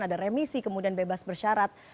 ada remisi kemudian bebas bersyarat